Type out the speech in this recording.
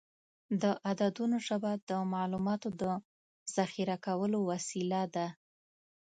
د عددونو ژبه د معلوماتو د ذخیره کولو وسیله ده.